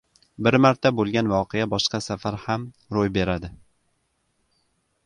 • Bir marta bo‘lgan voqea boshqa safar ham ro‘y beradi.